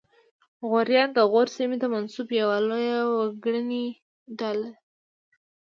غوریان د غور سیمې ته منسوب یوه لویه وګړنۍ ډله ده